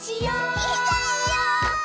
いたいよ！